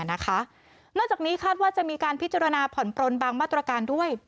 นอกจากนี้คาดว่าจะมีการพิจารณาผ่อนปลนบางมาตรการด้วย